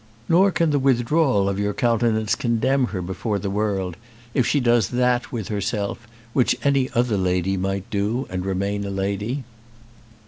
Nor can the withdrawal of your countenance condemn her before the world if she does that with herself which any other lady might do and remain a lady."